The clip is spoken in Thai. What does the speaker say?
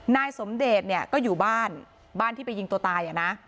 นายสมเดชเนี่ยก็อยู่บ้านบ้านที่ไปยิงตัวตายอ่ะนะ